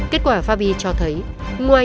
kết quả pha bi cho thấy